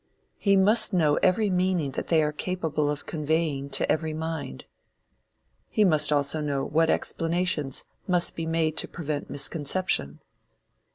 He must know every meaning that they are capable of conveying to every mind. He must also know what explanations must be made to prevent misconception.